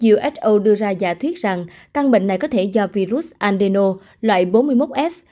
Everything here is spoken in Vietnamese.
uso đưa ra giả thuyết rằng căn bệnh này có thể do virus andeno loại bốn mươi một f